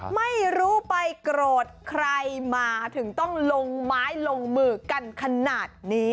ไม่รู้ไปโกรธใครมาถึงต้องลงไม้ลงมือกันขนาดนี้